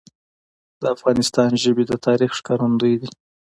د افغانستان ژبي د تاریخ ښکارندوی دي.